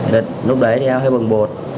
đợt lúc đấy thì em hơi bồng bột